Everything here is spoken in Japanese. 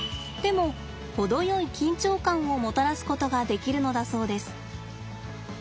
でも程よい緊張感をもたらすことができるのだそうです。